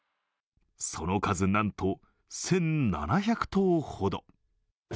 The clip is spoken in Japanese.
その数、なんと１７００頭ほど。